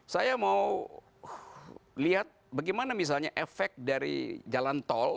saya mau lihat bagaimana misalnya efek dari jalan tol